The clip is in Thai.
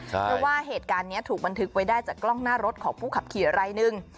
เพราะว่าเหตุการณ์นี้ถูกบันทึกไว้ได้จากกล้องหน้ารถของผู้ขับขี่รายหนึ่ง